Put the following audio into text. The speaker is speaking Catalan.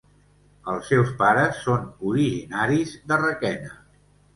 Els seus pares són originaris de Requena.